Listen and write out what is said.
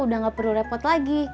udah gak perlu repot lagi